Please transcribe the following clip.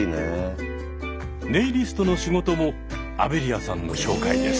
ネイリストの仕事もアベリアさんの紹介です。